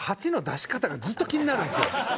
８の出し方がずっと気になるんですよ。